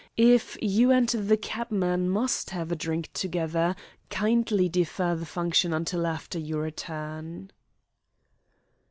If you and the cabman must have a drink together, kindly defer the function until after your return."